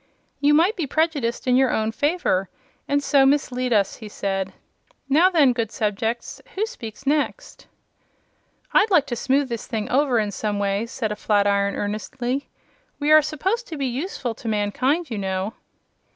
"You might be prejudiced in your own favor, and so mislead us," he said. "Now then, good subjects, who speaks next?" "I'd like to smooth this thing over, in some way," said a flatiron, earnestly. "We are supposed to be useful to mankind, you know."